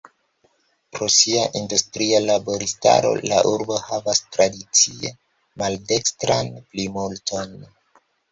Pro sia industria laboristaro la urbo havas tradicie maldekstran plimulton.